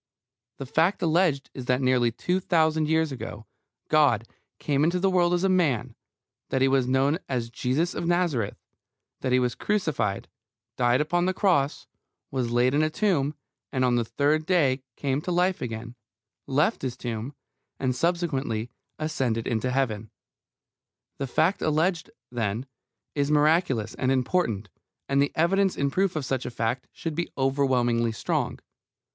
The fact alleged is that nearly two thousand years ago God came into the world as a man, that He was known as Jesus of Nazareth, that He was crucified, died upon the cross, was laid in a tomb, and on the third day came to life again, left His tomb, and subsequently ascended into Heaven. The fact alleged, then, is miraculous and important, and the evidence in proof of such a fact should be overwhelmingly strong.